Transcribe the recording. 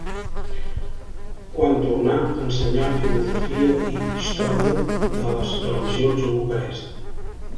Quan tornà, ensenyà filosofia i història de les religions a Bucarest.